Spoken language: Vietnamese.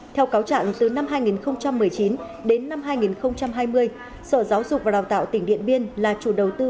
theo cáo trạng từ năm hai nghìn một mươi chín đến năm hai nghìn hai mươi sở giáo dục và đào tạo tỉnh điện biên là chủ đầu tư